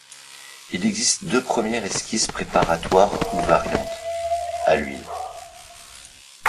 Il existe deux premières esquisses préparatoires ou variantes, à l'huile.